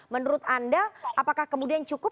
menurut anda apakah kemudian cukup